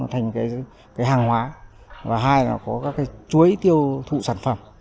thành cái hàng hóa và hai là có cái chuỗi tiêu thụ sản phẩm